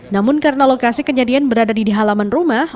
namun karena lokasi kenyadian berada di di halaman rumah